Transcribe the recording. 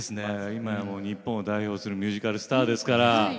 いまや日本を代表するミュージカルスターですから。